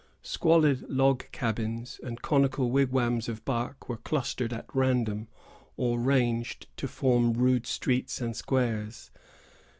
Squalid log cabins and conical wigwams of bark were clustered at random, or ranged to form rude streets and squares.